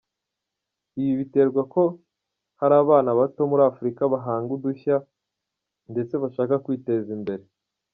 Ibi bitwereka ko hari abana bato muri Afurika bahanga udushya ndetse bashaka kwiteza imbere”.